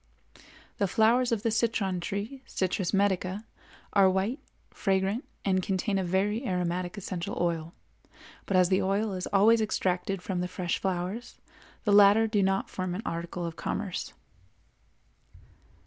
The flowers of the citron tree (Citrus medica) are white, fragrant, and contain a very aromatic essential oil; but as the oil is always extracted from the fresh flowers, the latter do not form an article of commerce.